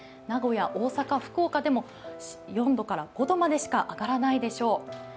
名古屋、大阪、福岡でも４度から５度までしか上がらないでしょう。